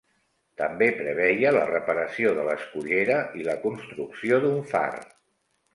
També preveia la reparació de l'escullera i la construcció d'un far.